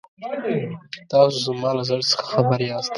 تاسو زما له زړه څخه خبر یاست.